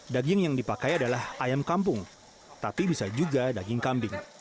daging yang dipakai adalah ayam kampung tapi bisa juga daging kambing